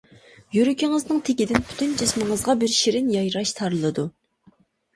يۈرىكىڭىزنىڭ تېگىدىن پۈتۈن جىسمىڭىزغا بىر شېرىن يايراش تارىلىدۇ.